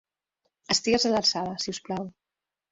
Estigues a l'alçada, si us plau.